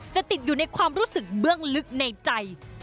จะติดอยู่ในความรู้สึกเบื้องลึกในใจ